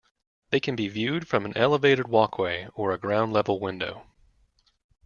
They can be viewed from an elevated walkway, or a ground level window.